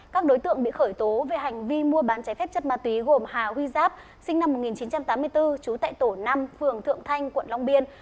các đối tượng bị khởi tố về hành vi mua bán trái phép chất ma túy gồm hà huy giáp sinh năm một nghìn chín trăm tám mươi bốn trú tại tổ năm phường thượng thanh quận long biên